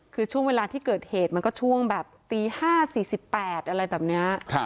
คือช่วงเวลาที่เกิดเหตุมันก็ช่วงแบบตี๕๔๘อะไรแบบนี้